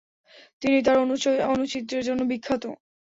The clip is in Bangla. তিনি তার অণুচিত্রের জন্য বিখ্যাত।